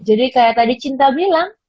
jadi kayak tadi cinta bilang